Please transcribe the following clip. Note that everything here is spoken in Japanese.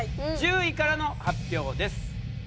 １０位からの発表です。